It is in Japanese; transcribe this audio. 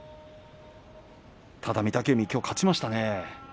ただ御嶽海、きょう勝ちましたね。